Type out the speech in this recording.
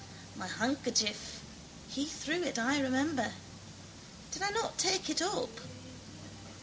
My handkerchief. He threw it. I remember. Did I not take it up?